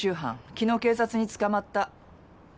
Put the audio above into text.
昨日警察に捕まった。